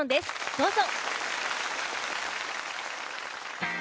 どうぞ。